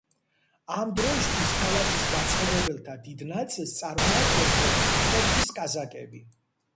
ამ დროისთვის ქალაქის მაცხოვრებელთა დიდ ნაწილს წარმოადგენდნენ თერგის კაზაკები.